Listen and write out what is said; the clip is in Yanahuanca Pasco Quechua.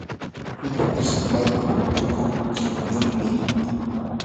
pillpish imayka rikuq llimpiyuqmi.